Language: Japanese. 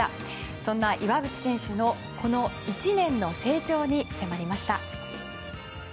そんな岩渕選手のこの１年の成長に迫りました。